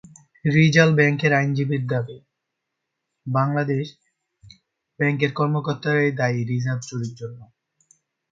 রিজাল ব্যাংকের আইনজীবীর দাবি, বাংলাদেশ ব্যাংকের কর্মকর্তারাই দায়ী রিজার্ভ চুরির জন্য।